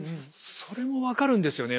それも分かるんですよね